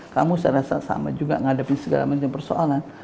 kamu saya rasa sama juga menghadapi segala macam persoalan